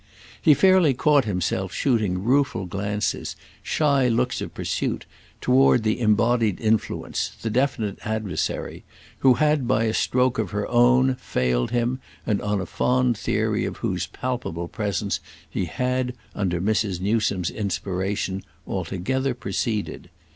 He fairly caught himself shooting rueful glances, shy looks of pursuit, toward the embodied influence, the definite adversary, who had by a stroke of her own failed him and on a fond theory of whose palpable presence he had, under Mrs. Newsome's inspiration, altogether proceeded.